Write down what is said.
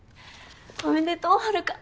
おめでとうはるか。